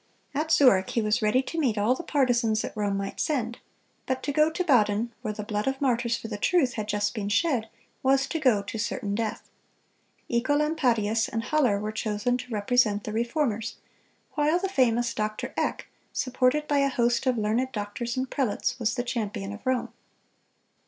At Zurich he was ready to meet all the partisans that Rome might send; but to go to Baden, where the blood of martyrs for the truth had just been shed, was to go to certain death. Œcolampadius and Haller were chosen to represent the Reformers, while the famous Doctor Eck, supported by a host of learned doctors and prelates, was the champion of Rome.